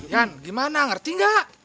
kan gimana ngerti gak